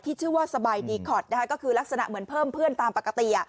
ชื่อว่าสบายดีคอตนะคะก็คือลักษณะเหมือนเพิ่มเพื่อนตามปกติ